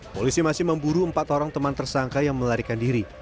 polisi masih memburu empat orang teman tersangka yang melarikan diri